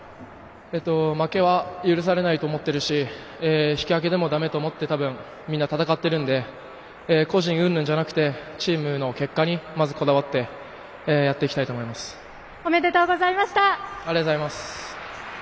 負けは許されないと思ってるし引き分けでもだめだと思って多分、みんな戦ってるので個人うんぬんじゃなくてチームの結果にまずこだわっておめでとうございました。